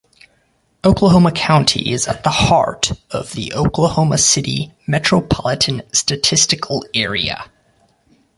Oklahoma County is at the heart of the Oklahoma City Metropolitan Statistical Area.